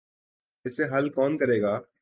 اسے حل کون کرے گا؟